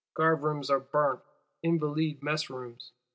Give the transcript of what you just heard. Guard rooms are burnt, Invalides mess rooms.